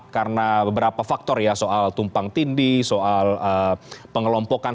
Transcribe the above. karena beberapa faktor ya soal tumpang tindi soal pengelompokan